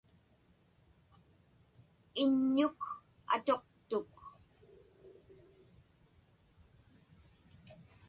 Iññuk atuqtuk.